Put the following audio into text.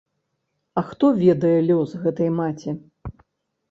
А хто ведае лёс гэтай маці?